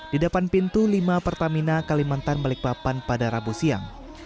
di depan pintu lima pertamina kalimantan balikpapan pada rabu siang